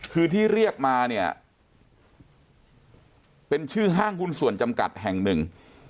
คือที่เรียกมาเนี่ยเป็นชื่อห้างหุ้นส่วนจำกัดแห่งหนึ่ง